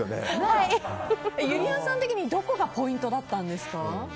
ゆりやんさん的にどこがポイントだったんですか？